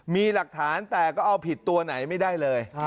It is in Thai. มีหลักฐานแต่ก็เอาผิดตัวไหนไม่ได้เลย